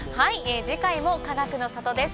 次回もかがくの里です。